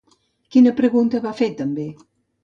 Quina pregunta va fer també?